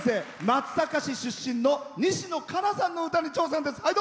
松阪市出身の西野カナさんの歌に挑戦です。